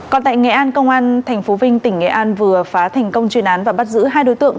còn tại nghệ an công an tp vinh tỉnh nghệ an vừa phá thành công chuyên án và bắt giữ hai đối tượng